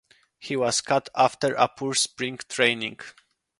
He was cut after a poor spring training.